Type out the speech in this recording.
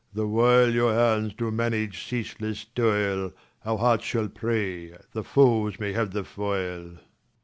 Lelr. The while your hands do manage ceaseless toil, Our hearts shall pray, the foes may have the foil.